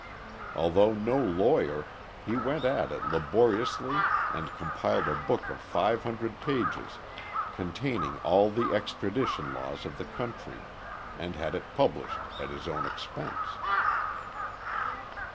Although no lawyer, he went at it laboriously and compiled a book of five hundred pages, containing all the extradition laws of the country, and had it published at his own expense.